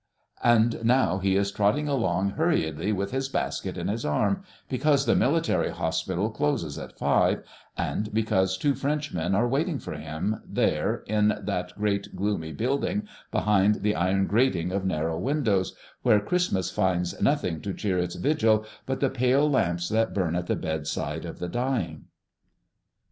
And now he is trotting along hurriedly with his basket on his arm, because the military hospital closes at five, and because two Frenchmen are waiting for him there, in that great gloomy building behind the iron grating of narrow windows, where Christmas finds nothing to cheer its vigil but the pale lamps that burn at the bedside of the dying.